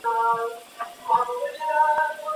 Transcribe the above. هغه نجلۍ به د خپلو غوښتنو د مهارولو لپاره په ځان باوري وه.